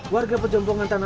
warga pejombong antarabangsa